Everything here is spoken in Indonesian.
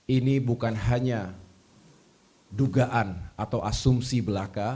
ini bukan hanya dugaan atau asumsi belaka